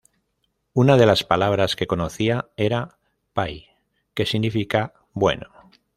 Una de las palabras que conocía era pai, que significa ‘bueno’.